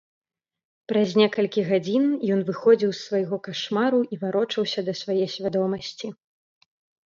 Праз некалькі гадзін ён выходзіў з свайго кашмару і варочаўся да свае свядомасці.